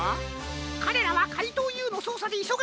かれらはかいとうＵのそうさでいそがしい。